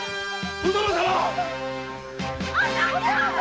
お殿様！